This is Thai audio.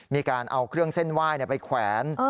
มีการเอาเครื่องเส้นไหว้ไปแขวน